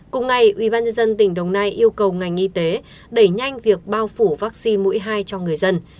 cùng ngày ubnd tỉnh đồng nai yêu cầu ngành y tế đẩy nhanh việc bao phủ vaccine mũi hai cho người dân